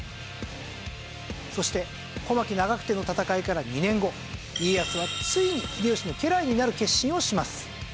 そして小牧・長久手の戦いから２年後家康はついに秀吉の家来になる決心をします。